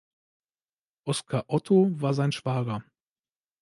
Oskar Otto war sein Schwager.